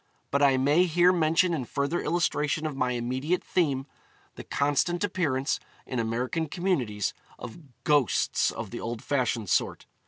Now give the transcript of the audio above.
But I may here mention in further illustration of my immediate theme, the constant appearance, in American communities, of ghosts of the old fashioned sort.